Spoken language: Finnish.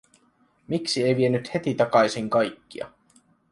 Miksi ei vienyt heti takaisin kaikkia?